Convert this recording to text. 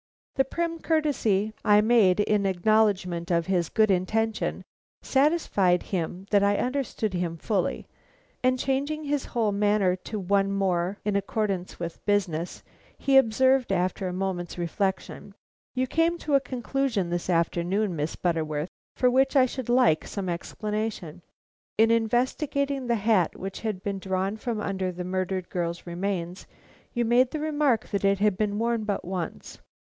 The prim courtesy I made in acknowledgment of his good intention satisfied him that I had understood him fully; and changing his whole manner to one more in accordance with business, he observed after a moment's reflection: "You came to a conclusion this afternoon, Miss Butterworth, for which I should like some explanation. In investigating the hat which had been drawn from under the murdered girl's remains, you made the remark that it had been worn but once.